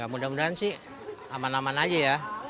mudah mudahan sih aman aman aja ya